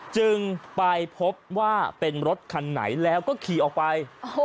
จึงไปพบว่าเป็นรถคันไหนแล้วก็ขี่ออกไป